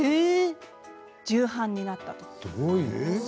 重版になったと。